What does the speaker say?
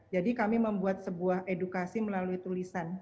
jadi kami membuat sebuah edukasi melalui tulisan